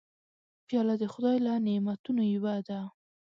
پیاله د خدای له نعمتونو یوه ده.